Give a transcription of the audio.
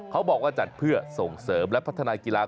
เขาบอกว่าจัดเพื่อส่งเสริมและพัฒนากีฬา